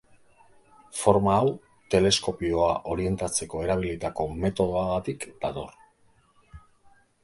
Forma hau teleskopioa orientatzeko erabilitako metodoagatik dator.